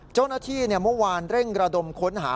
เจ้าหน้าที่เมื่อวานเร่งระดมค้นหา